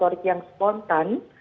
motorik yang spontan